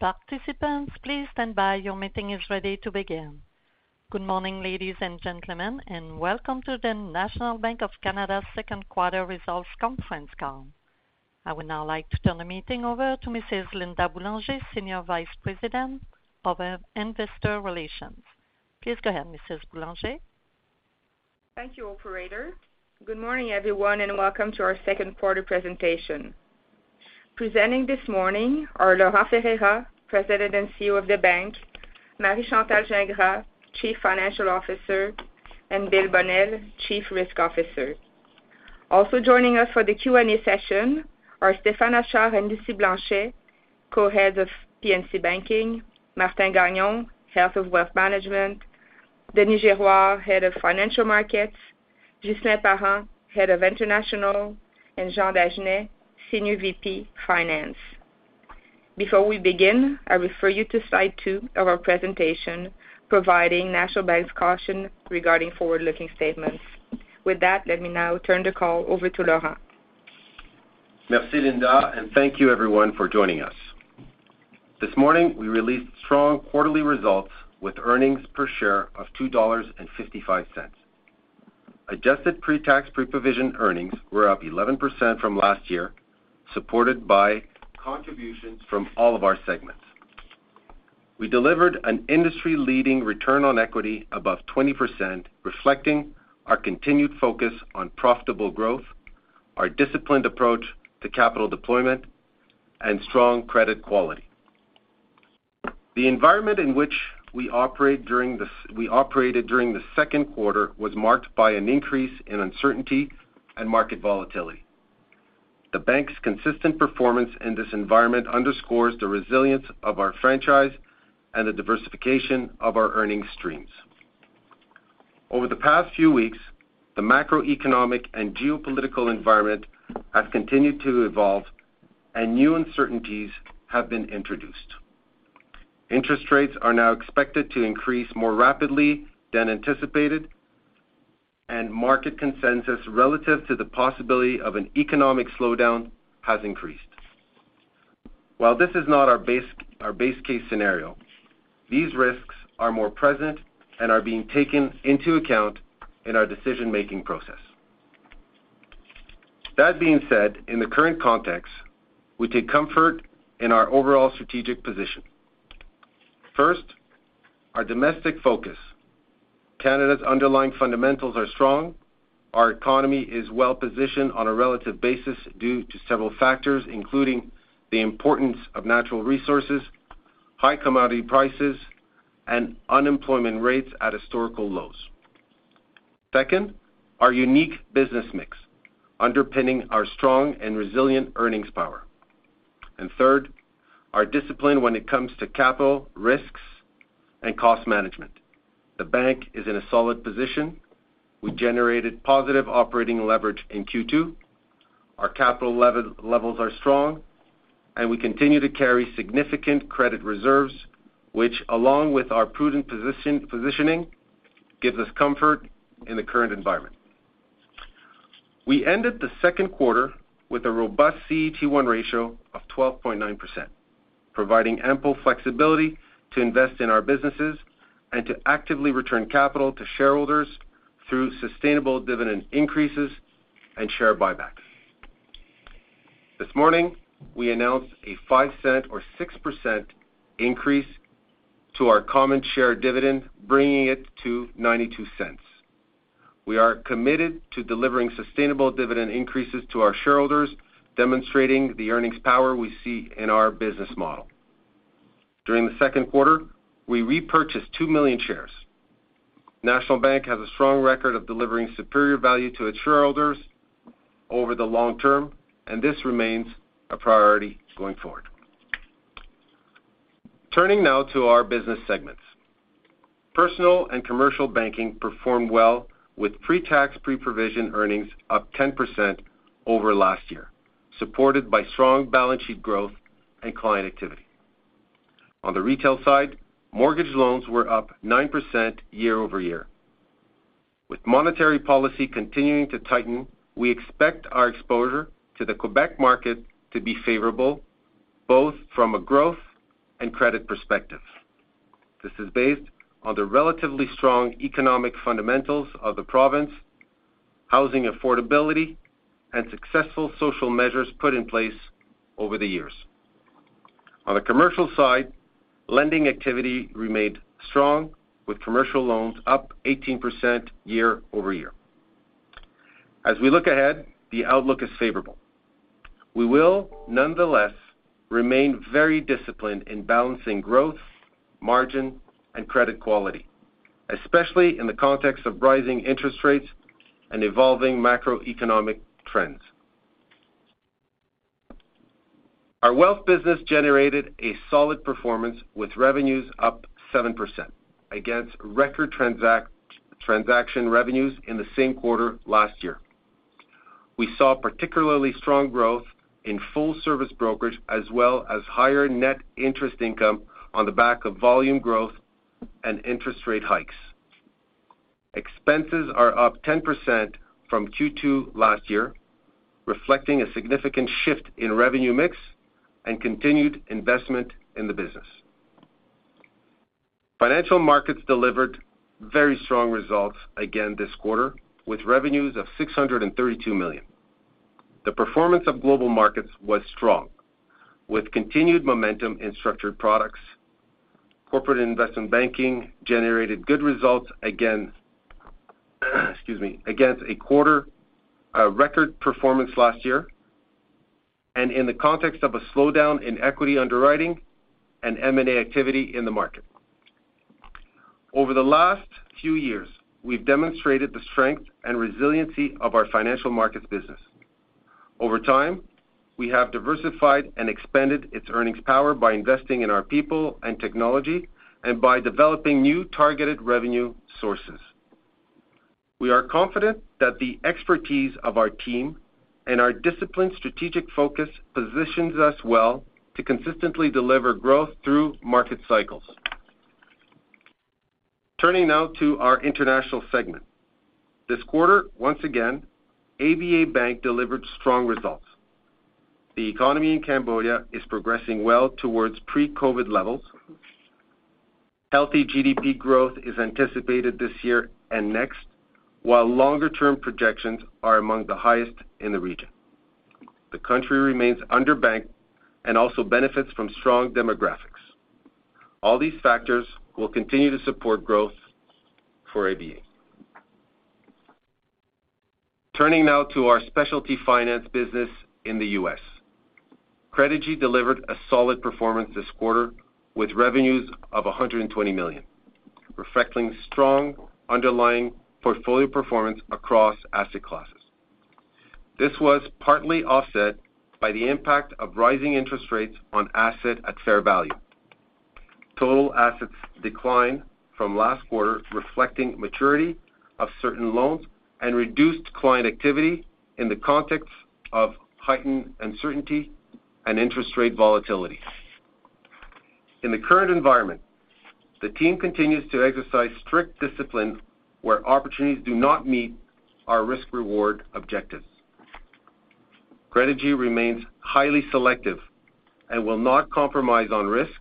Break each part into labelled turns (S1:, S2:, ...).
S1: Participants, please stand by. Your meeting is ready to begin. Good morning, ladies and gentlemen, and welcome to the National Bank of Canada's Second Quarter Results Conference Call. I would now like to turn the meeting over to Mrs. Linda Boulanger, Senior Vice President of Investor Relations. Please go ahead, Mrs. Boulanger.
S2: Thank you, operator. Good morning, everyone, and welcome to our second quarter presentation. Presenting this morning are Laurent Ferreira, President and CEO of the bank, Marie Chantal Gingras, Chief Financial Officer, and Bill Bonnell, Chief Risk Officer. Also joining us for the Q&A session are Stéphane Achard and Lucie Blanchet, Co-heads of P&C Banking, Martin Gagnon, Head of Wealth Management, Denis Girouard, Head of Financial Markets, Ghislain Parent, Head of International, and Jean Dagenais, Senior VP, Finance. Before we begin, I refer you to slide 2 of our presentation, providing National Bank's caution regarding forward-looking statements. With that, let me now turn the call over to Laurent.
S3: Merci, Linda, and thank you, everyone, for joining us. This morning, we released strong quarterly results with earnings per share of 2.55 dollars. Adjusted pre-tax, pre-provision earnings were up 11% from last year, supported by contributions from all of our segments. We delivered an industry-leading return on equity above 20%, reflecting our continued focus on profitable growth, our disciplined approach to capital deployment, and strong credit quality. The environment in which we operated during the second quarter was marked by an increase in uncertainty and market volatility. The bank's consistent performance in this environment underscores the resilience of our franchise and the diversification of our earning streams. Over the past few weeks, the macroeconomic and geopolitical environment has continued to evolve and new uncertainties have been introduced. Interest rates are now expected to increase more rapidly than anticipated, and market consensus relative to the possibility of an economic slowdown has increased. While this is not our base case scenario, these risks are more present and are being taken into account in our decision-making process. That being said, in the current context, we take comfort in our overall strategic position. First, our domestic focus. Canada's underlying fundamentals are strong. Our economy is well-positioned on a relative basis due to several factors, including the importance of natural resources, high commodity prices, and unemployment rates at historical lows. Second, our unique business mix underpinning our strong and resilient earnings power. Third, our discipline when it comes to capital, risks, and cost management. The bank is in a solid position. We generated positive operating leverage in Q2. Our capital levels are strong, and we continue to carry significant credit reserves, which, along with our prudent positioning, gives us comfort in the current environment. We ended the second quarter with a robust CET1 ratio of 12.9%, providing ample flexibility to invest in our businesses and to actively return capital to shareholders through sustainable dividend increases and share buybacks. This morning, we announced a 0.05 or 6% increase to our common share dividend, bringing it to 0.92. We are committed to delivering sustainable dividend increases to our shareholders, demonstrating the earnings power we see in our business model. During the second quarter, we repurchased two million shares. National Bank has a strong record of delivering superior value to its shareholders over the long term, and this remains a priority going forward. Turning now to our business segments. Personal and commercial banking performed well with pre-tax, pre-provision earnings up 10% over last year, supported by strong balance sheet growth and client activity. On the retail side, mortgage loans were up 9% year-over-year. With monetary policy continuing to tighten, we expect our exposure to the Quebec market to be favorable, both from a growth and credit perspective. This is based on the relatively strong economic fundamentals of the province, housing affordability, and successful social measures put in place over the years. On the commercial side, lending activity remained strong, with commercial loans up 18% year-over-year. As we look ahead, the outlook is favorable. We will nonetheless remain very disciplined in balancing growth, margin, and credit quality, especially in the context of rising interest rates and evolving macroeconomic trends. Our wealth business generated a solid performance with revenues up 7% against record transaction revenues in the same quarter last year. We saw particularly strong growth in full-service brokerage, as well as higher net interest income on the back of volume growth and interest rate hikes. Expenses are up 10% from Q2 last year, reflecting a significant shift in revenue mix and continued investment in the business. Financial markets delivered very strong results again this quarter, with revenues of 632 million. The performance of global markets was strong, with continued momentum in structured products. Corporate investment banking generated good results against a record performance last year, and in the context of a slowdown in equity underwriting and M&A activity in the market. Over the last few years, we've demonstrated the strength and resiliency of our financial markets business. Over time, we have diversified and expanded its earnings power by investing in our people and technology, and by developing new targeted revenue sources. We are confident that the expertise of our team and our disciplined strategic focus positions us well to consistently deliver growth through market cycles. Turning now to our international segment. This quarter, once again, ABA Bank delivered strong results. The economy in Cambodia is progressing well towards pre-COVID levels. Healthy GDP growth is anticipated this year and next, while longer-term projections are among the highest in the region. The country remains under-banked and also benefits from strong demographics. All these factors will continue to support growth for ABA. Turning now to our specialty finance business in the U.S. Credigy delivered a solid performance this quarter with revenues of 120 million, reflecting strong underlying portfolio performance across asset classes. This was partly offset by the impact of rising interest rates on assets at fair value. Total assets declined from last quarter, reflecting maturity of certain loans and reduced client activity in the context of heightened uncertainty and interest rate volatility. In the current environment, the team continues to exercise strict discipline where opportunities do not meet our risk-reward objectives. Credigy remains highly selective and will not compromise on risk,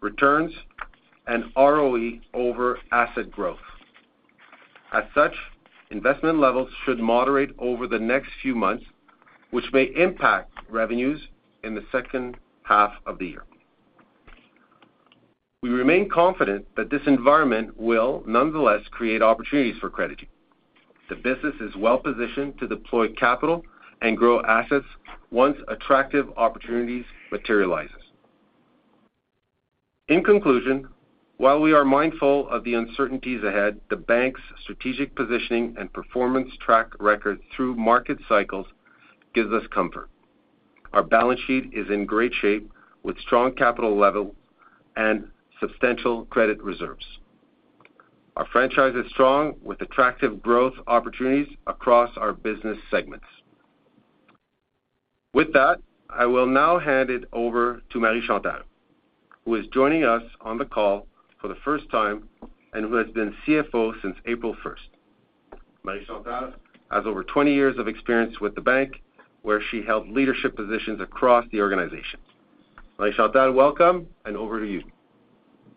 S3: returns, and ROE over asset growth. As such, investment levels should moderate over the next few months, which may impact revenues in the second half of the year. We remain confident that this environment will nonetheless create opportunities for Credigy. The business is well-positioned to deploy capital and grow assets once attractive opportunities materializes. In conclusion, while we are mindful of the uncertainties ahead, the bank's strategic positioning and performance track record through market cycles gives us comfort. Our balance sheet is in great shape with strong capital level and substantial credit reserves. Our franchise is strong with attractive growth opportunities across our business segments. With that, I will now hand it over to Marie Chantal, who is joining us on the call for the first time and who has been CFO since April 1st. Marie Chantal has over 20 years of experience with the bank, where she held leadership positions across the organization. Marie Chantal, welcome, and over to you.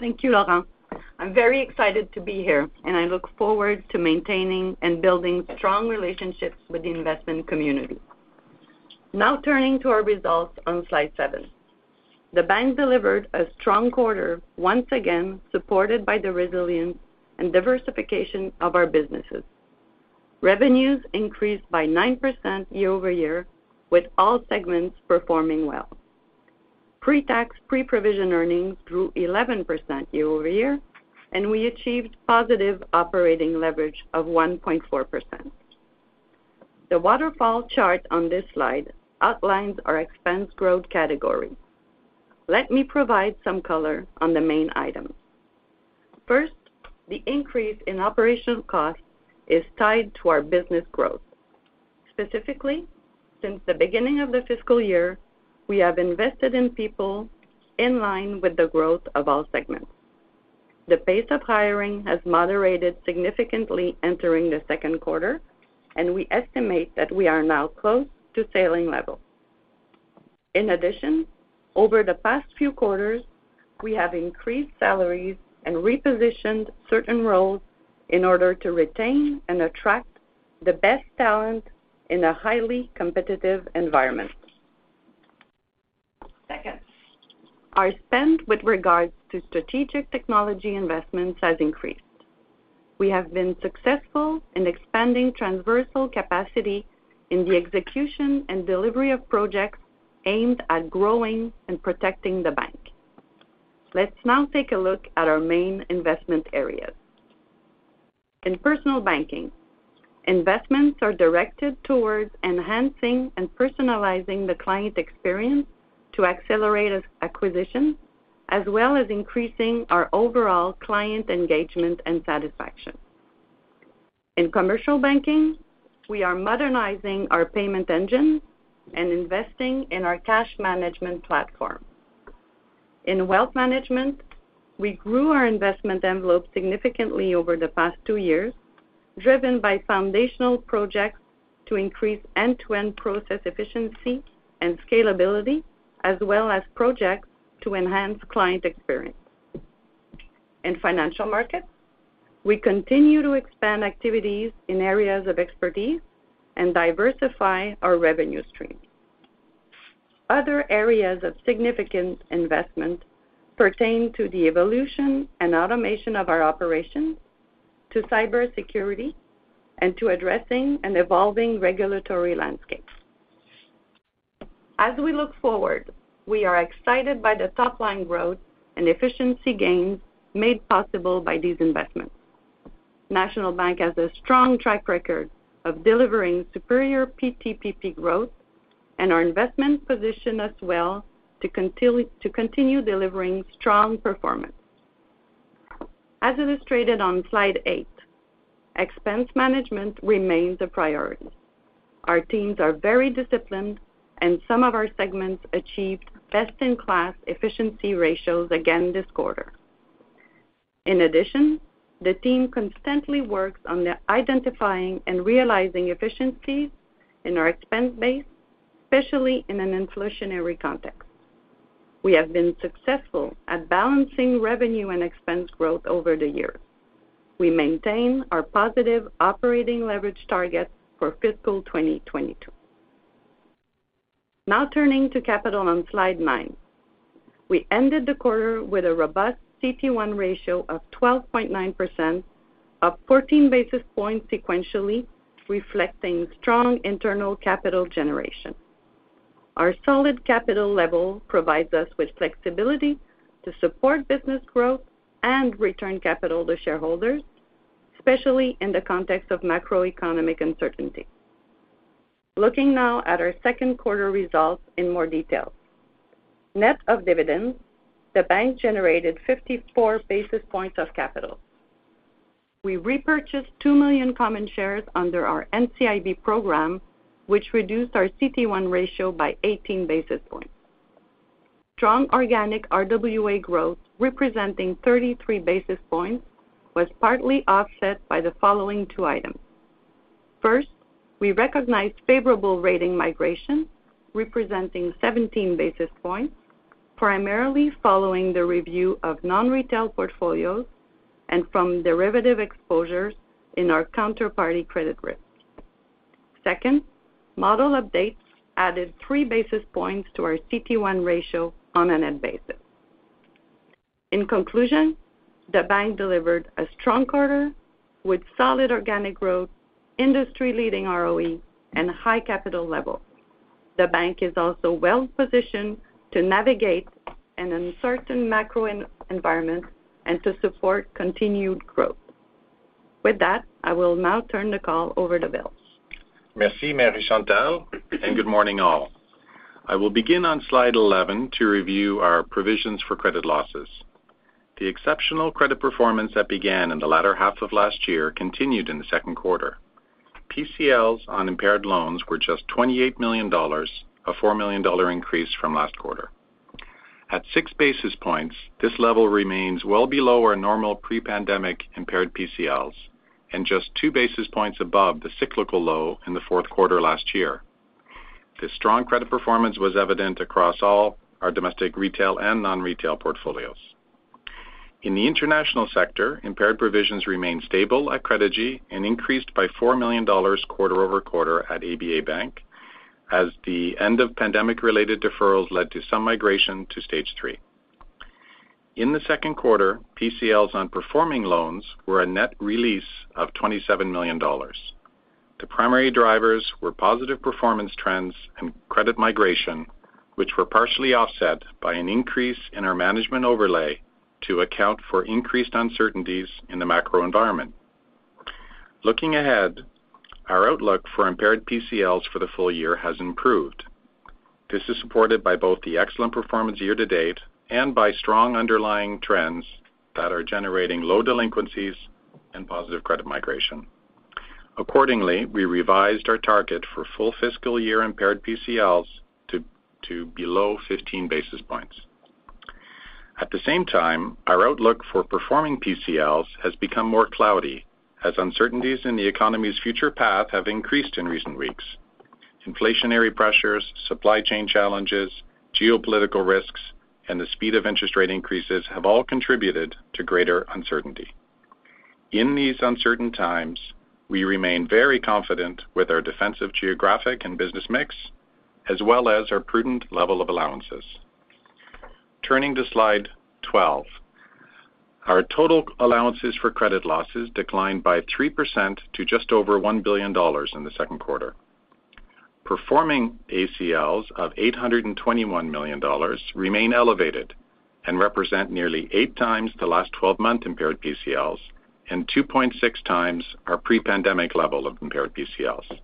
S4: Thank you, Laurent. I'm very excited to be here, and I look forward to maintaining and building strong relationships with the investment community. Now turning to our results on slide 7. The bank delivered a strong quarter, once again supported by the resilience and diversification of our businesses. Revenues increased by 9% year-over-year, with all segments performing well. Pre-tax, pre-provision earnings grew 11% year-over-year, and we achieved positive operating leverage of 1.4%. The waterfall chart on this slide outlines our expense growth category. Let me provide some color on the main items. First, the increase in operational costs is tied to our business growth. Specifically, since the beginning of the fiscal year, we have invested in people in line with the growth of all segments. The pace of hiring has moderated significantly entering the second quarter, and we estimate that we are now close to ceiling level. In addition, over the past few quarters, we have increased salaries and repositioned certain roles in order to retain and attract the best talent in a highly competitive environment. Second, our spend with regards to strategic technology investments has increased. We have been successful in expanding transversal capacity in the execution and delivery of projects aimed at growing and protecting the bank. Let's now take a look at our main investment areas. In personal banking, investments are directed towards enhancing and personalizing the client experience to accelerate acquisition, as well as increasing our overall client engagement and satisfaction. In commercial banking, we are modernizing our payment engine and investing in our cash management platform. In Wealth Management, we grew our investment envelope significantly over the past two years, driven by foundational projects to increase end-to-end process efficiency and scalability, as well as projects to enhance client experience. In Financial Markets, we continue to expand activities in areas of expertise and diversify our revenue stream. Other areas of significant investment pertain to the evolution and automation of our operations, to cybersecurity, and to addressing an evolving regulatory landscape. As we look forward, we are excited by the top-line growth and efficiency gains made possible by these investments. National Bank has a strong track record of delivering superior PTPP growth, and our investment position as well to continue delivering strong performance. As illustrated on slide 8, expense management remains a priority. Our teams are very disciplined, and some of our segments achieved best-in-class efficiency ratios again this quarter. In addition, the team constantly works on identifying and realizing efficiencies in our expense base, especially in an inflationary context. We have been successful at balancing revenue and expense growth over the years. We maintain our positive operating leverage target for fiscal 2022. Now turning to capital on slide 9. We ended the quarter with a robust CET1 ratio of 12.9%, up 14 basis points sequentially, reflecting strong internal capital generation. Our solid capital level provides us with flexibility to support business growth and return capital to shareholders, especially in the context of macroeconomic uncertainty. Looking now at our second quarter results in more detail. Net of dividends, the bank generated 54 basis points of capital. We repurchased two million common shares under our NCIB program, which reduced our CET1 ratio by 18 basis points. Strong organic RWA growth, representing 33 basis points, was partly offset by the following two items. First, we recognized favorable rating migration, representing 17 basis points, primarily following the review of non-retail portfolios and from derivative exposures in our counterparty credit risk. Second, model updates added 3 basis points to our CET1 ratio on a net basis. In conclusion, the bank delivered a strong quarter with solid organic growth, industry-leading ROE, and high capital level. The bank is also well positioned to navigate an uncertain macro environment and to support continued growth. With that, I will now turn the call over to Bill.
S5: Merci, Marie Chantal, and good morning, all. I will begin on slide 11 to review our provisions for credit losses. The exceptional credit performance that began in the latter half of last year continued in the second quarter. PCLs on impaired loans were just 28 million dollars, a 4 million dollar increase from last quarter. At 6 basis points, this level remains well below our normal pre-pandemic impaired PCLs and just 2 basis points above the cyclical low in the fourth quarter last year. This strong credit performance was evident across all our domestic, retail and non-retail portfolios. In the international sector, impaired provisions remained stable at Credigy and increased by CAD 4 million quarter-over-quarter at ABA Bank, as the end of pandemic-related deferrals led to some migration to stage 3. In the second quarter, PCLs on performing loans were a net release of 27 million dollars. The primary drivers were positive performance trends and credit migration, which were partially offset by an increase in our management overlay to account for increased uncertainties in the macro environment. Looking ahead, our outlook for impaired PCLs for the full year has improved. This is supported by both the excellent performance year-to-date and by strong underlying trends that are generating low delinquencies and positive credit migration. Accordingly, we revised our target for full fiscal year impaired PCLs to below 15 basis points. At the same time, our outlook for performing PCLs has become more cloudy as uncertainties in the economy's future path have increased in recent weeks. Inflationary pressures, supply chain challenges, geopolitical risks, and the speed of interest rate increases have all contributed to greater uncertainty. In these uncertain times, we remain very confident with our defensive geographic and business mix, as well as our prudent level of allowances. Turning to slide 12. Our total allowances for credit losses declined by 3% to just over 1 billion dollars in the second quarter. Performing ACLs of 821 million dollars remain elevated and represent nearly 8x the last 12-month impaired PCLs and 2.6x our pre-pandemic level of impaired PCLs.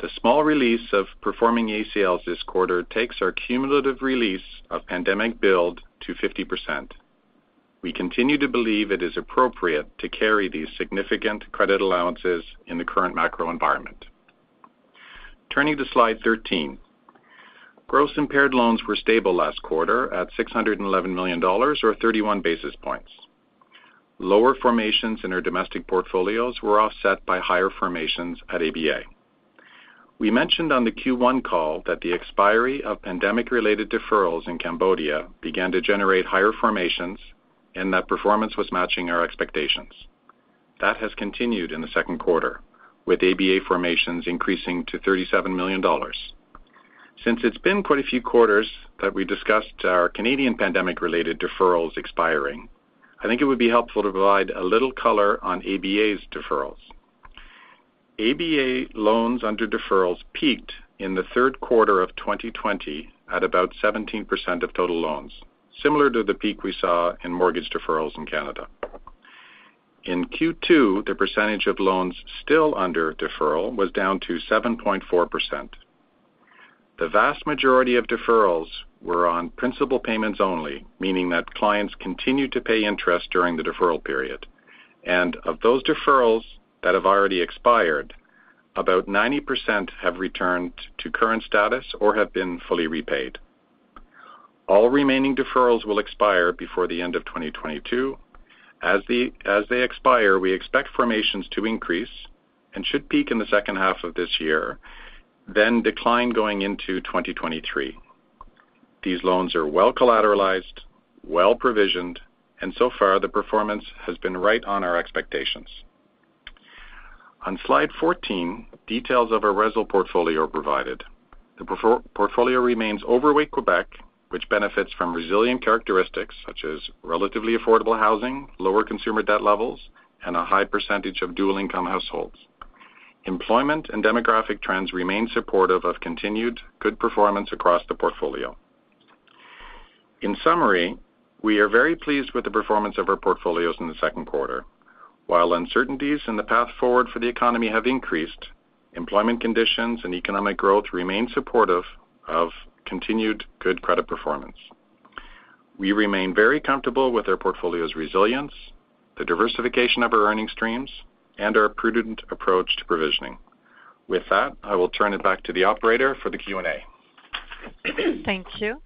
S5: The small release of performing ACLs this quarter takes our cumulative release of pandemic build to 50%. We continue to believe it is appropriate to carry these significant credit allowances in the current macro environment. Turning to slide 13. Gross impaired loans were stable last quarter at 611 million dollars or 31 basis points. Lower formations in our domestic portfolios were offset by higher formations at ABA. We mentioned on the Q1 call that the expiry of pandemic related deferrals in Cambodia began to generate higher formation, and that performance was matching our expectations. That has continued in the second quarter, with ABA Formations increasing to 37 million dollars. Since it's been quite a few quarters that we discussed our Canadian pandemic related deferrals expiring, I think it would be helpful to provide a little color on ABA's deferrals. ABA loans under deferrals peaked in the third quarter of 2020 at about 17% of total loans, similar to the peak we saw in mortgage deferrals in Canada. In Q2, the percentage of loans still under deferral was down to 7.4%. The vast majority of deferrals were on principal payments only, meaning that clients continued to pay interest during the deferral period. Of those deferrals that have already expired, about 90% have returned to current status or have been fully repaid. All remaining deferrals will expire before the end of 2022. As they expire, we expect formations to increase and should peak in the second half of this year, then decline going into 2023. These loans are well collateralized, well provisioned, and so far the performance has been right on our expectations. On slide 14, details of our Resi Portfolio are provided. The portfolio remains overweight Quebec, which benefits from resilient characteristics such as relatively affordable housing, lower consumer debt levels, and a high percentage of dual income households. Employment and demographic trends remain supportive of continued good performance across the portfolio. In summary, we are very pleased with the performance of our portfolios in the second quarter. While uncertainties in the path forward for the economy have increased, employment conditions and economic growth remain supportive of continued good credit performance. We remain very comfortable with our portfolio's resilience, the diversification of our earning streams, and our prudent approach to provisioning. With that, I will turn it back to the operator for the Q&A.
S1: Thank you.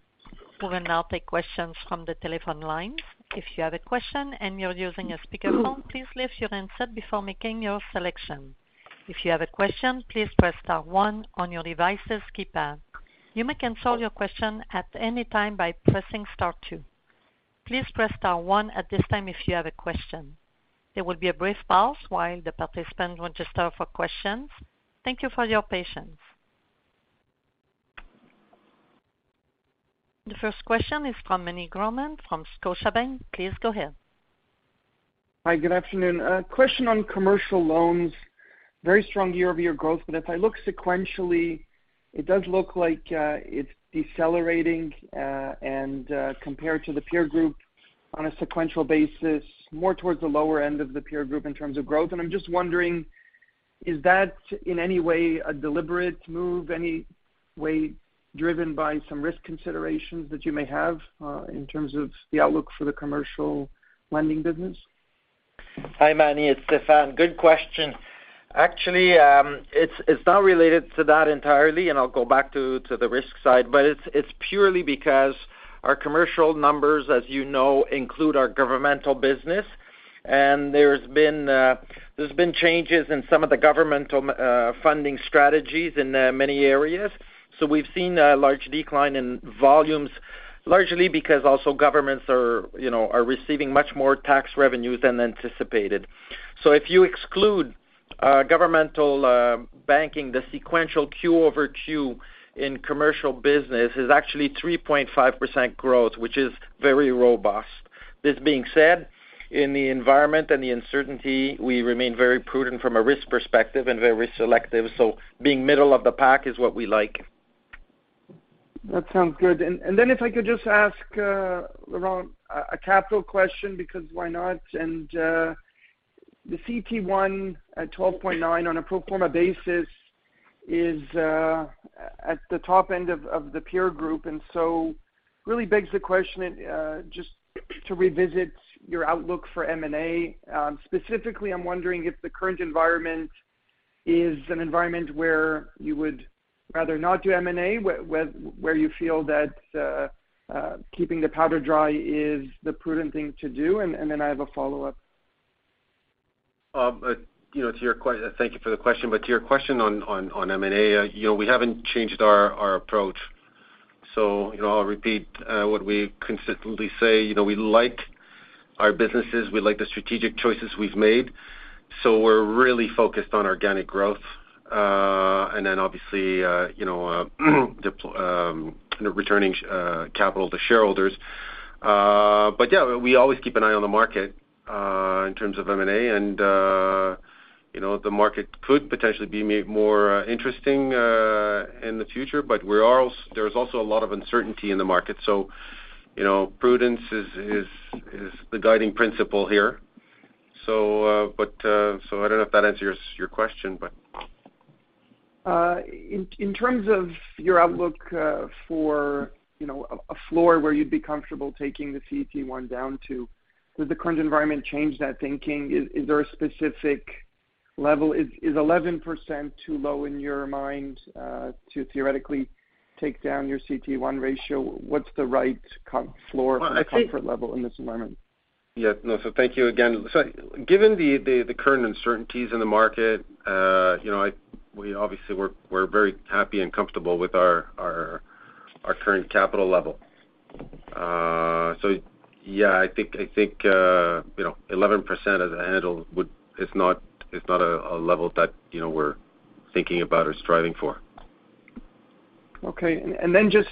S1: We will now take questions from the telephone lines. If you have a question and you're using a speakerphone, please lift your handset before making your selection. If you have a question, please press star one on your device's keypad. You may cancel your question at any time by pressing star two. Please press star one at this time if you have a question. There will be a brief pause while the participants register for questions. Thank you for your patience. The first question is from Meny Grauman from Scotiabank. Please go ahead.
S6: Hi, good afternoon. A question on commercial loans. Very strong year-over-year growth, but if I look sequentially, it does look like it's decelerating, and compared to the peer group on a sequential basis, more towards the lower end of the peer group in terms of growth. I'm just wondering, is that in any way a deliberate move, any way driven by some risk considerations that you may have in terms of the outlook for the commercial lending business?
S7: Hi, Meny. It's Stéphane. Good question. Actually, it's not related to that entirely, and I'll go back to the risk side. It's purely because our commercial numbers, as you know, include our governmental business. There's been changes in some of the governmental funding strategies in many areas. We've seen a large decline in volumes, largely because also governments are, you know, receiving much more tax revenue than anticipated. If you exclude governmental banking, the sequential Q-over-Q in commercial business is actually 3.5% growth, which is very robust. This being said, in the environment and the uncertainty, we remain very prudent from a risk perspective and very selective, so being middle of the pack is what we like.
S6: That sounds good. If I could just ask Laurent a capital question, because why not? The CET1 at 12.9% on a pro forma basis is at the top end of the peer group, and so really begs the question just to revisit your outlook for M&A. Specifically, I'm wondering if the current environment is an environment where you would rather not do M&A, where you feel that keeping the powder dry is the prudent thing to do? I have a follow-up.
S3: Thank you for the question. To your question on M&A, you know, we haven't changed our approach. You know, I'll repeat what we consistently say. You know, we like our businesses. We like the strategic choices we've made. We're really focused on organic growth, and then obviously, you know, returning capital to shareholders. Yeah, we always keep an eye on the market in terms of M&A. You know, the market could potentially be more interesting in the future. There's also a lot of uncertainty in the market. You know, prudence is the guiding principle here. I don't know if that answers your question.
S6: In terms of your outlook for, you know, a floor where you'd be comfortable taking the CET1 down to? Does the current environment change that thinking? Is there a specific level? Is 11% too low in your mind to theoretically take down your CET1 ratio? What's the right floor comfort level in this environment?
S3: Yeah, no. Thank you again. Given the current uncertainties in the market, you know, we obviously we're very happy and comfortable with our current capital level. Yeah, I think you know, 11% as a handle is not a level that, you know, we're thinking about or striving for.
S6: Okay. Then just,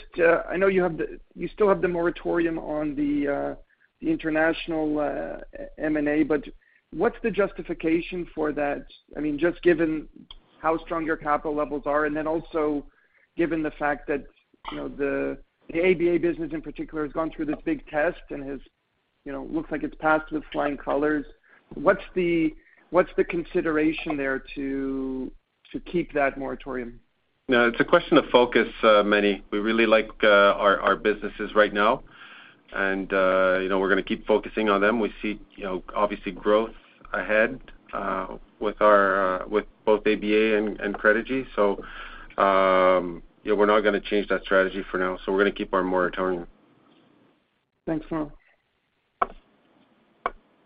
S6: I know you still have the moratorium on the international M&A. What's the justification for that? I mean, just given how strong your capital levels are, and then also given the fact that, you know, the ABA business in particular has gone through this big test and has, you know, looks like it's passed with flying colors. What's the consideration there to keep that moratorium?
S3: No, it's a question of focus, Meny. We really like our businesses right now. You know, we're gonna keep focusing on them. We see, you know, obviously growth ahead with both ABA and Credigy. Yeah, we're not gonna change that strategy for now, so we're gonna keep our moratorium.
S6: Thanks, Laurent.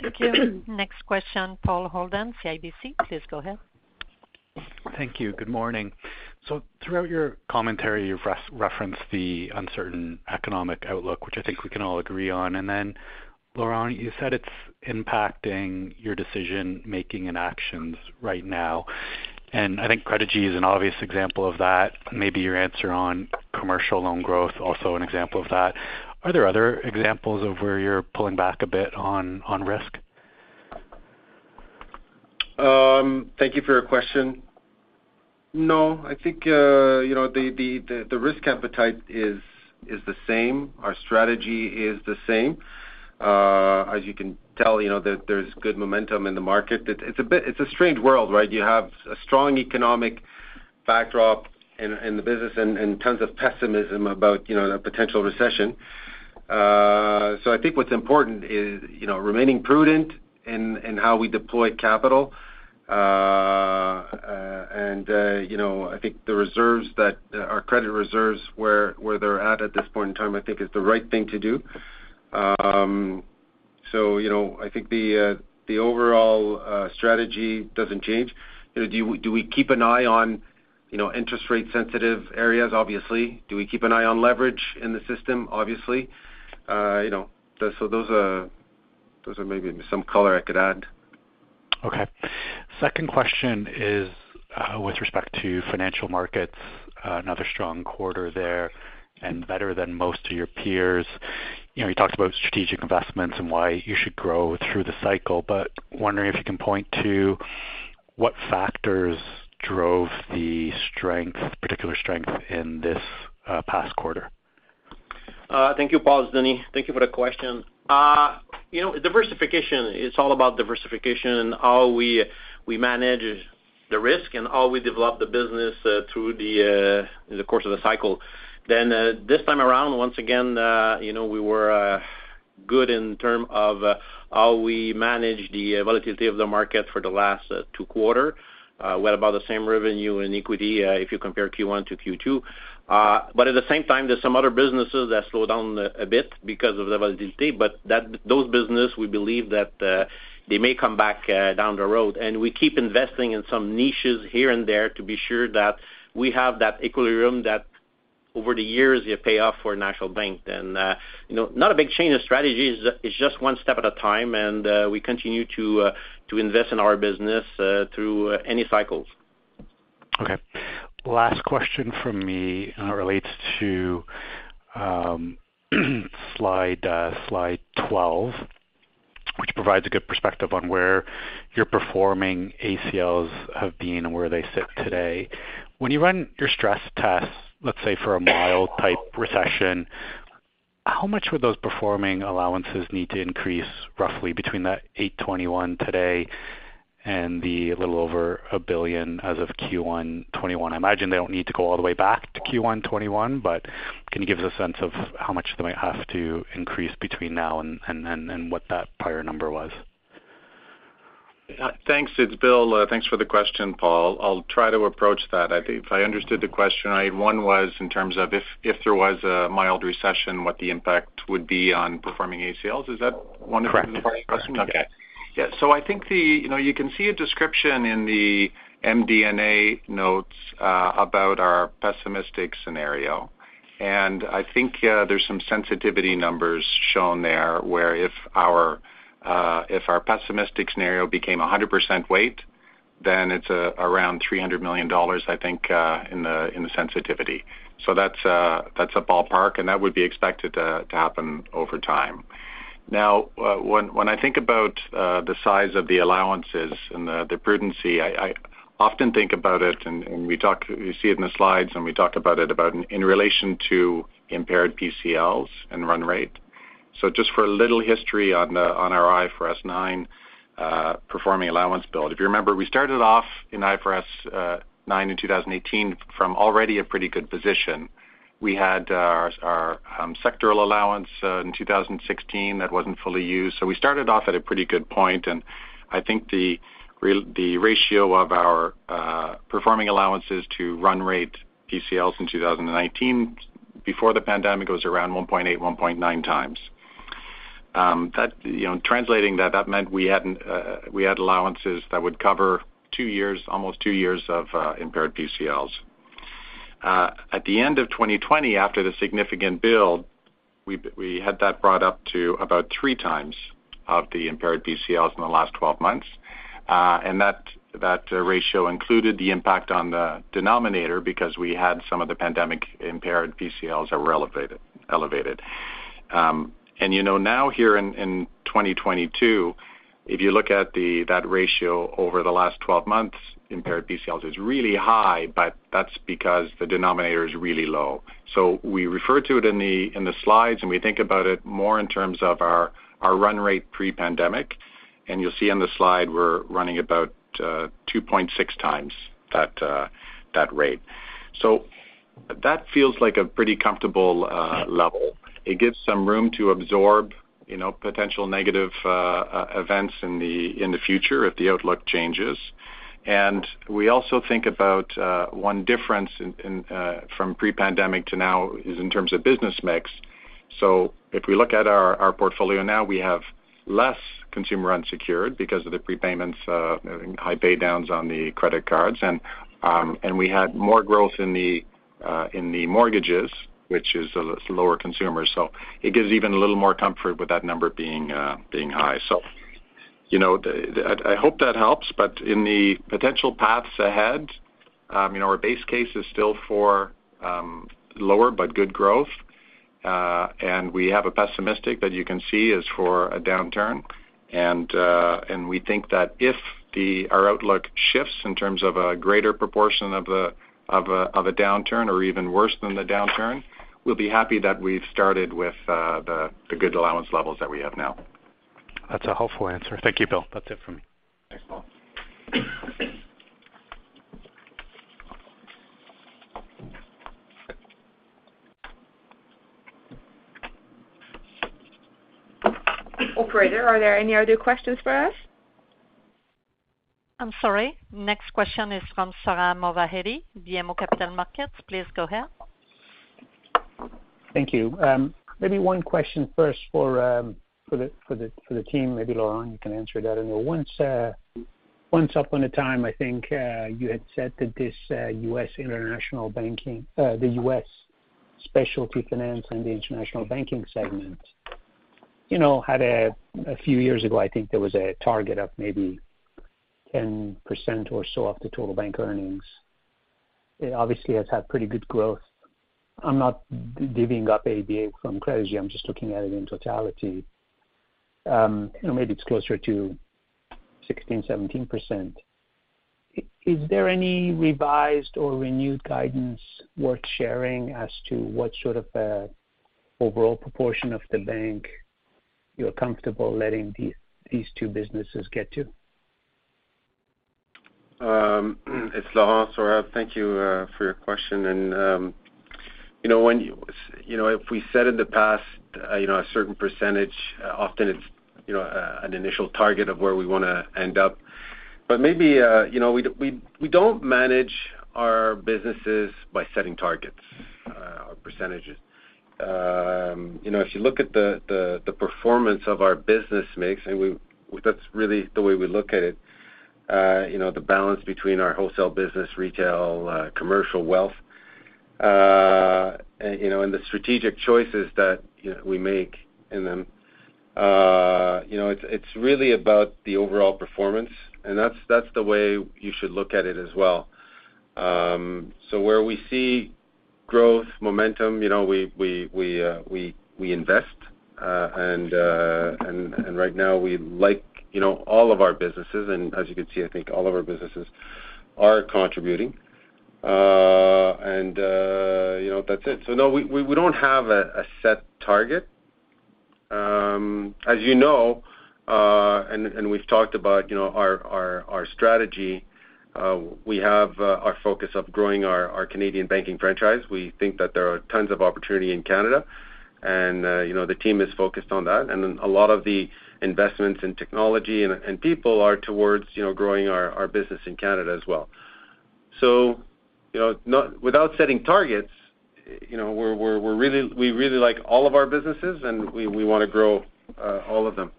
S1: Thank you. Next question, Paul Holden, CIBC, please go ahead.
S8: Thank you. Good morning. Throughout your commentary, you've referenced the uncertain economic outlook, which I think we can all agree on. Then, Laurent, you said it's impacting your decision-making and actions right now. I think Credigy is an obvious example of that, maybe your answer on commercial loan growth also an example of that. Are there other examples of where you're pulling back a bit on risk?
S3: Thank you for your question. No, I think you know, the risk appetite is the same. Our strategy is the same. As you can tell, you know, that there's good momentum in the market. It's a strange world, right? You have a strong economic backdrop in the business and tons of pessimism about, you know, the potential recession. So I think what's important is, you know, remaining prudent in how we deploy capital. And you know, I think our credit reserves, where they're at this point in time, I think is the right thing to do. So, you know, I think the overall strategy doesn't change. You know, do we keep an eye on, you know, interest rate sensitive areas? Obviously. Do we keep an eye on leverage in the system? Obviously. You know, those are maybe some color I could add.
S8: Okay. Second question is, with respect to Financial Markets, another strong quarter there and better than most of your peers. You know, you talked about strategic investments and why you should grow through the cycle, but wondering if you can point to what factors drove the strength, particular strength in this past quarter?
S9: Thank you, Paul. It's Denis. Thank you for the question. You know, diversification, it's all about diversification, how we manage the risk and how we develop the business through the course of the cycle. This time around, once again, you know, we were good in terms of how we managed the volatility of the market for the last two quarters. We had about the same revenue in equity, if you compare Q1 to Q2. But at the same time, there's some other businesses that slowed down a bit because of the volatility, but those businesses, we believe that they may come back down the road. We keep investing in some niches here and there to be sure that we have that equilibrium that over the years it pays off for National Bank. You know, not a big change of strategy is just one step at a time, and we continue to invest in our business through any cycles.
S8: Okay. Last question from me relates to slide 12, which provides a good perspective on where your performing ACLs have been and where they sit today. When you run your stress tests, let's say for a mild type recession, how much would those performing allowances need to increase roughly between that 821 million today and the little over 1 billion as of Q1 2021? I imagine they don't need to go all the way back to Q1 2021, but can you give us a sense of how much they might have to increase between now and what that prior number was?
S5: Thanks. It's Bill. Thanks for the question, Paul. I'll try to approach that. I think if I understood the question right, one was in terms of if there was a mild recession, what the impact would be on performing ACLs. Is that one?
S8: Correct.
S5: The first question?
S8: Okay.
S5: Yeah. I think you know, you can see a description in the MD&A notes about our pessimistic scenario. I think there's some sensitivity numbers shown there, where if our pessimistic scenario became 100% weight, then it's around 300 million dollars, I think, in the sensitivity. That's a ballpark, and that would be expected to happen over time. Now, when I think about the size of the allowances and the prudence, I often think about it, and we talk. You see it in the slides, and we talk about it in relation to impaired PCLs and run rate. Just for a little history on our IFRS 9 performing allowance build. If you remember, we started off in IFRS 9 in 2018 from already a pretty good position. We had our sectoral allowance in 2016 that wasn't fully used. We started off at a pretty good point, and I think the ratio of our performing allowances to run rate PCLs in 2019 before the pandemic was around 1.8x, 1.9x. That, you know, translating that meant we had allowances that would cover two years, almost two years of impaired PCLs. At the end of 2020, after the significant build, we had that brought up to about 3x of the impaired PCLs in the last 12 months. That ratio included the impact on the denominator because we had some of the pandemic impaired PCLs that were elevated. You know, now here in 2022, if you look at that ratio over the last 12 months, impaired PCLs is really high, but that's because the denominator is really low. We refer to it in the slides, and we think about it more in terms of our run rate pre-pandemic. You'll see on the slide we're running about 2.6x that rate. That feels like a pretty comfortable level. It gives some room to absorb, you know, potential negative events in the future if the outlook changes. We also think about one difference from pre-pandemic to now is in terms of business mix. If we look at our portfolio now, we have less consumer unsecured because of the prepayments, high pay downs on the credit cards. We had more growth in the mortgages, which is a lower consumer. It gives even a little more comfort with that number being high. You know, I hope that helps. In the potential paths ahead, you know, our base case is still for lower but good growth. We have a pessimistic that you can see is for a downturn. We think that if our outlook shifts in terms of a greater proportion of a downturn or even worse than the downturn, we'll be happy that we've started with the good allowance levels that we have now.
S8: That's a helpful answer. Thank you, Bill. That's it for me.
S5: Thanks, Paul.
S2: Operator, are there any other questions for us?
S1: I'm sorry. Next question is from Sohrab Movahedi, BMO Capital Markets. Please go ahead.
S10: Thank you. Maybe one question first for the team. Maybe Laurent, you can answer that. I know once upon a time, I think, you had said that this U.S. international banking, the U.S. specialty finance and the international banking segment, you know, had a few years ago, I think there was a target of maybe 10% or so of the total bank earnings. It obviously has had pretty good growth. I'm not divvying up ABA from Credigy. I'm just looking at it in totality. You know, maybe it's closer to 16%, 17%. Is there any revised or renewed guidance worth sharing as to what sort of overall proportion of the bank you're comfortable letting these two businesses get to?
S3: It's Laurent, Sohrab. Thank you for your question. You know, when you know, if we said in the past you know, a certain percentage, often it's you know an initial target of where we want to end up. But maybe you know, we don't manage our businesses by setting targets or percentages. You know, if you look at the performance of our business mix, that's really the way we look at it you know, the balance between our wholesale business, retail, commercial wealth, and you know, and the strategic choices that you know, we make in them you know, it's really about the overall performance, and that's the way you should look at it as well. Where we see growth, momentum, you know, we invest. Right now we like, you know, all of our businesses. As you can see, I think all of our businesses are contributing. You know, that's it. No, we don't have a set target. As you know, and we've talked about, you know, our strategy, we have our focus of growing our Canadian banking franchise. We think that there are tons of opportunity in Canada, and you know, the team is focused on that. Then a lot of the investments in technology and people are towards, you know, growing our business in Canada as well. You know, without setting targets, you know, we really like all of our businesses, and we want to grow all of them.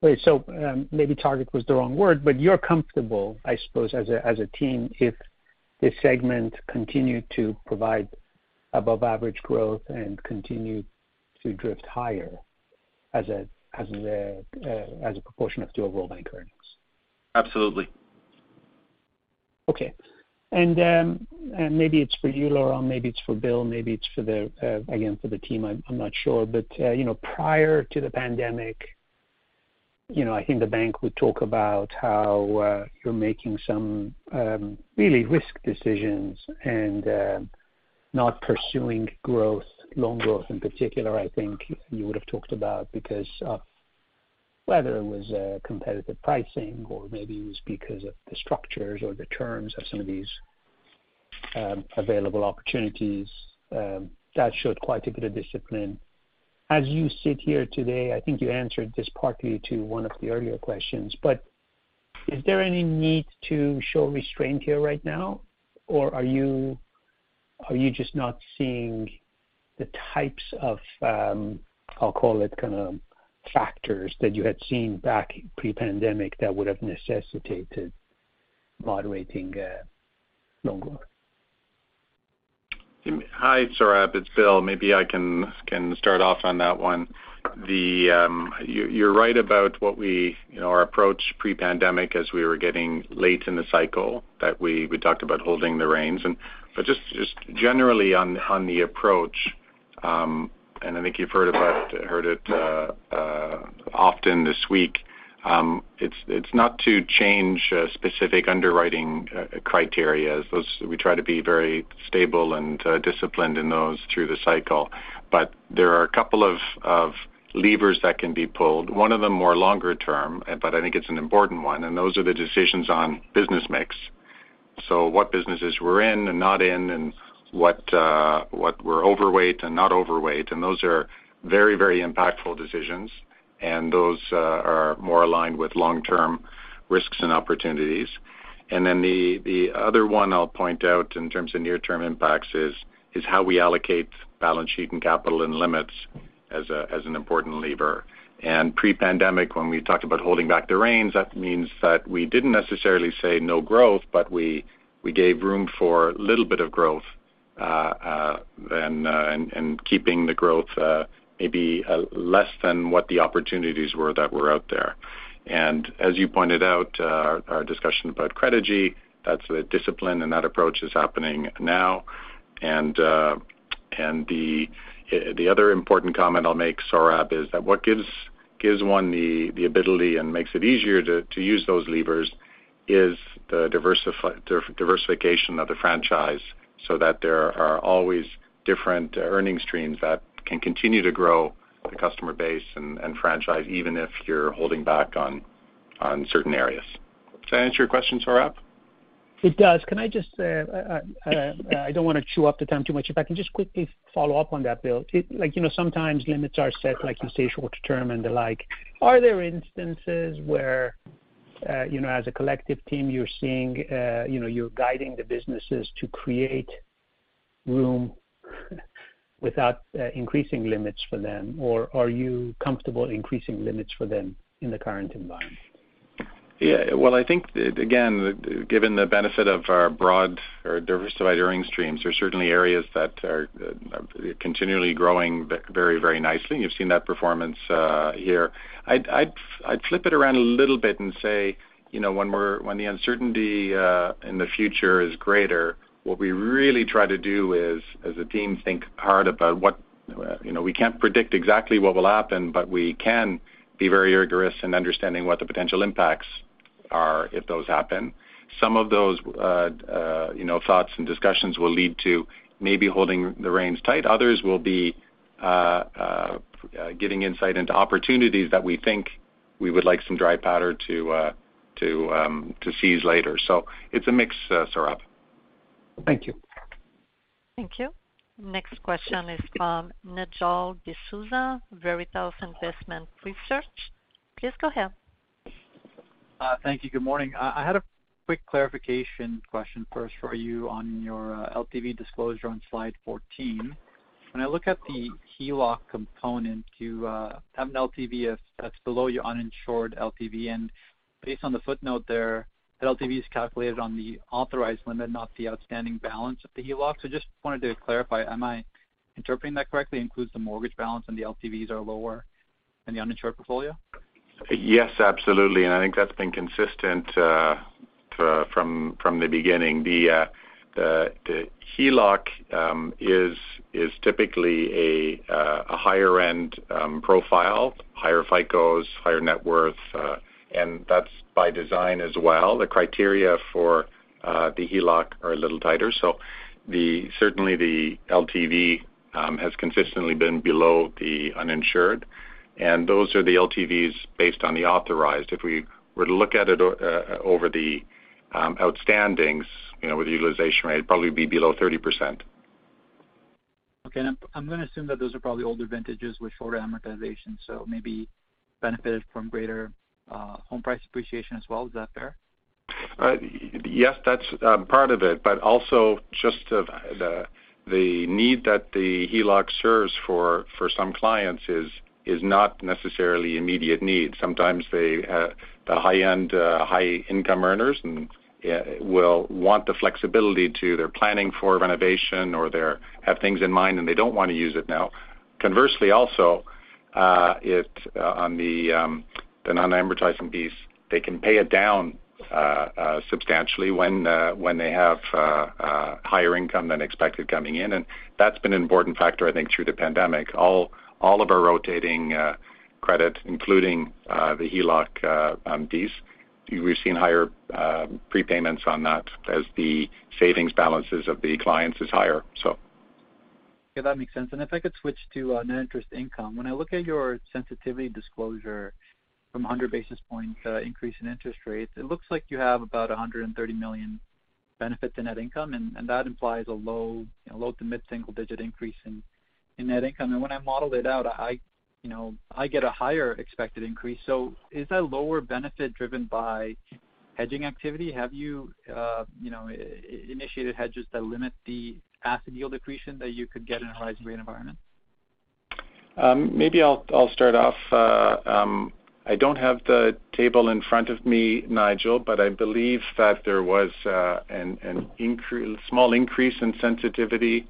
S10: Wait, maybe target was the wrong word, but you're comfortable, I suppose, as a team if this segment continued to provide above average growth and continued to drift higher as a proportion of total bank earnings.
S3: Absolutely.
S10: Okay. Maybe it's for you, Laurent, maybe it's for Bill, maybe it's for the team again, I'm not sure. You know, prior to the pandemic, you know, I think the bank would talk about how you're making some really risky decisions and not pursuing growth, loan growth in particular. I think you would have talked about because of whether it was competitive pricing or maybe it was because of the structures or the terms of some of these available opportunities that showed quite a bit of discipline. As you sit here today, I think you answered this partly to one of the earlier questions, but is there any need to show restraint here right now, or are you just not seeing the types of, I'll call it kind of factors that you had seen back pre-pandemic that would have necessitated moderating, loan growth?
S5: Hi, Sohrab. It's Bill. Maybe I can start off on that one. You're right about what we, you know, our approach pre-pandemic as we were getting late in the cycle that we talked about holding the reins. But just generally on the approach, and I think you've heard about it, heard it often this week, it's not to change specific underwriting criteria. Those we try to be very stable and disciplined in those through the cycle. There are a couple of levers that can be pulled, one of them more longer term, but I think it's an important one, and those are the decisions on business mix. What businesses we're in and not in and what we're overweight and not overweight, and those are very, very impactful decisions, and those are more aligned with long-term risks and opportunities. Then the other one I'll point out in terms of near-term impacts is how we allocate balance sheet and capital and limits as an important lever. Pre-pandemic, when we talked about holding back the reins, that means that we didn't necessarily say no growth, but we gave room for a little bit of growth, and keeping the growth maybe less than what the opportunities were that were out there. As you pointed out, our discussion about Credigy, that's the discipline and that approach is happening now. The other important comment I'll make, Sohrab, is that what gives one the ability and makes it easier to use those levers is the diversification of the franchise so that there are always different earning streams that can continue to grow the customer base and franchise even if you're holding back on certain areas. Does that answer your question, Sohrab?
S10: It does. Can I just, I don't want to chew up the time too much. If I can just quickly follow up on that, Bill. It, like, you know, sometimes limits are set, like you say, short term and the like. Are there instances where, you know, as a collective team, you're seeing, you know, you're guiding the businesses to create room without increasing limits for them? Or are you comfortable increasing limits for them in the current environment?
S5: Yeah. Well, I think, again, given the benefit of our broad or diversified earnings streams, there are certainly areas that are continually growing very, very nicely. You've seen that performance here. I'd flip it around a little bit and say, you know, when the uncertainty in the future is greater, what we really try to do is, as a team, think hard about what, you know, we can't predict exactly what will happen, but we can be very rigorous in understanding what the potential impacts are if those happen. Some of those, you know, thoughts and discussions will lead to maybe holding the reins tight. Others will be getting insight into opportunities that we think we would like some dry powder to seize later. It's a mix, Sohrab.
S10: Thank you.
S1: Thank you. Next question is from Nigel D'Souza, Veritas Investment Research. Please go ahead.
S11: Thank you. Good morning. I had a quick clarification question first for you on your LTV disclosure on slide 14. When I look at the HELOC component, you have an LTV that's below your uninsured LTV. Based on the footnote there, that LTV is calculated on the authorized limit, not the outstanding balance of the HELOC. Just wanted to clarify, am I interpreting that correctly? Includes the mortgage balance, and the LTVs are lower than the uninsured portfolio.
S3: Yes, absolutely. I think that's been consistent from the beginning. The HELOC is typically a higher end profile, higher FICOs, higher net worth, and that's by design as well. The criteria for the HELOC are a little tighter. Certainly the LTV has consistently been below the uninsured, and those are the LTVs based on the authorized. If we were to look at it over the outstanding, you know, with utilization rate, it'd probably be below 30%.
S11: Okay. I'm going to assume that those are probably older vintages with shorter amortization, so maybe benefited from greater home price appreciation as well. Is that fair?
S3: Yes, that's part of it. Also just the need that the HELOC serves for some clients is not necessarily immediate need. Sometimes the high end high income earners will want the flexibility to, they're planning for renovation or they have things in mind and they don't want to use it now. Conversely also, if on the non-amortizing piece, they can pay it down substantially when they have higher income than expected coming in. That's been an important factor, I think, through the pandemic. All of our revolving credit, including the HELOC piece. We've seen higher prepayments on that as the savings balances of the clients is higher, so.
S11: That makes sense. If I could switch to net interest income. When I look at your sensitivity disclosure from a 100 basis points increase in interest rates, it looks like you have about 130 million benefit to net income, and that implies a low- to mid-single-digit increase in net income. When I model it out, you know, I get a higher expected increase. Is that lower benefit driven by hedging activity? Have you know, initiated hedges that limit the asset yield accretion that you could get in a rising rate environment?
S3: Maybe I'll start off. I don't have the table in front of me, Nigel, but I believe that there was a small increase in sensitivity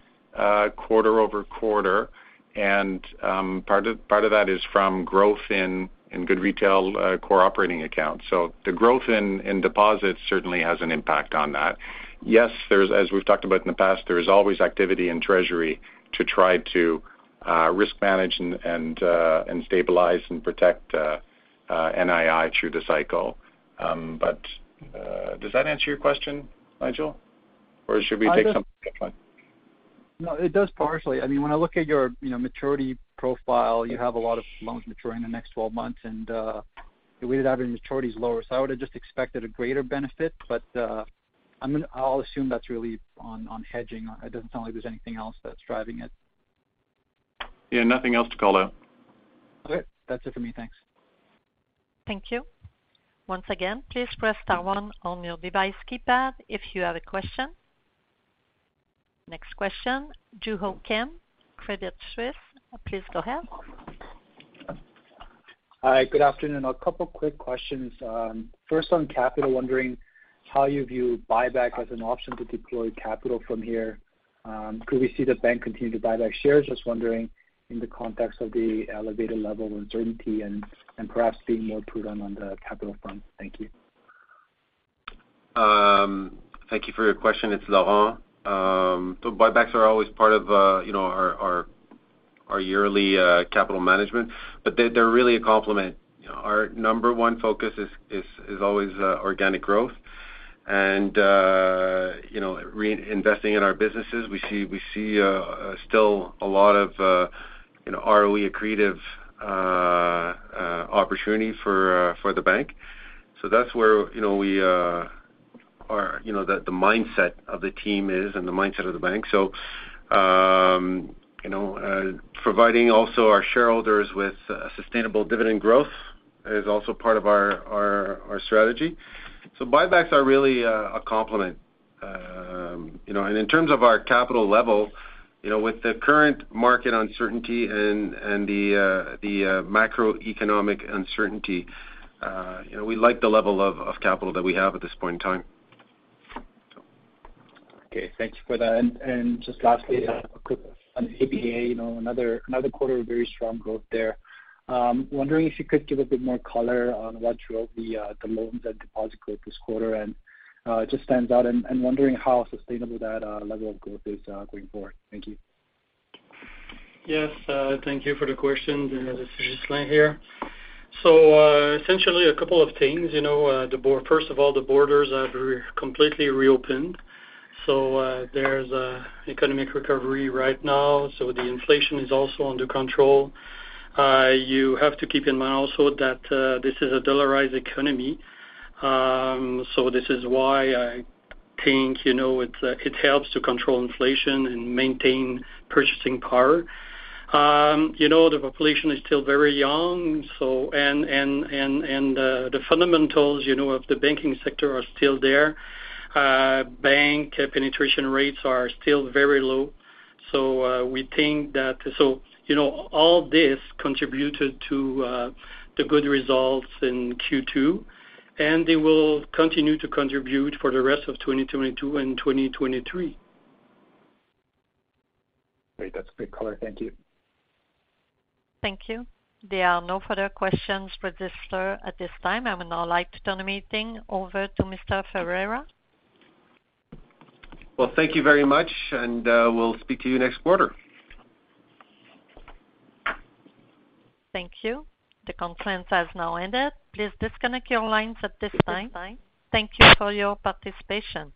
S3: quarter-over-quarter. Part of that is from growth in good retail core operating accounts. The growth in deposits certainly has an impact on that. Yes, as we've talked about in the past, there is always activity in treasury to try to risk manage and stabilize and protect NII through the cycle. Does that answer your question, Nigel? Or should we take some-
S11: I just-
S5: Different.
S11: No, it does partially. I mean, when I look at your, you know, maturity profile, you have a lot of loans maturing in the next 12 months, and the weighted average maturity is lower, so I would have just expected a greater benefit. I'll assume that's really on hedging. It doesn't sound like there's anything else that's driving it.
S5: Yeah, nothing else to call out.
S11: Okay. That's it for me. Thanks.
S1: Thank you. Once again, please press star one on your device keypad if you have a question. Next question, Joo Ho Kim, Credit Suisse, please go ahead.
S12: Hi. Good afternoon. A couple quick questions. First on capital, wondering how you view buyback as an option to deploy capital from here. Could we see the bank continue to buy back shares? Just wondering in the context of the elevated level of uncertainty and perhaps being more prudent on the capital front. Thank you.
S3: Thank you for your question. It's Laurent. Buybacks are always part of you know our yearly capital management, but they're really a complement. Our number one focus is always organic growth and you know re-investing in our businesses. We see still a lot of you know ROE accretive opportunity for the bank. That's where you know we are you know the mindset of the team is and the mindset of the bank. Providing also our shareholders with a sustainable dividend growth is also part of our strategy. Buybacks are really a complement. You know, in terms of our capital level, you know, with the current market uncertainty and the macroeconomic uncertainty, you know, we like the level of capital that we have at this point in time.
S12: Okay, thanks for that. Just lastly, on ABA, you know, another quarter of very strong growth there. Wondering if you could give a bit more color on what drove the loans and deposit growth this quarter, and just stands out and wondering how sustainable that level of growth is going forward? Thank you.
S13: Yes, thank you for the question. This is Ghislain here. Essentially a couple of things. You know, first of all, the borders have completely reopened. There's an economic recovery right now, so the inflation is also under control. You have to keep in mind also that this is a dollarized economy, so this is why I think, you know, it helps to control inflation and maintain purchasing power. You know, the population is still very young, so and the fundamentals, you know, of the banking sector are still there. Bank penetration rates are still very low. We think that you know, all this contributed to the good results in Q2, and they will continue to contribute for the rest of 2022 and 2023.
S12: Great. That's great color. Thank you.
S1: Thank you. There are no further questions for this floor at this time. I would now like to turn the meeting over to Mr. Ferreira.
S3: Well, thank you very much, and we'll speak to you next quarter.
S1: Thank you. The conference has now ended. Please disconnect your lines at this time. Thank you for your participation.